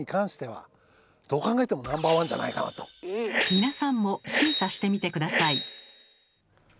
皆さんも審査してみて下さい。